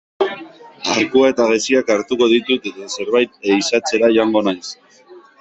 Arkua eta geziak hartuko ditut eta zerbait ehizatzera joango naiz.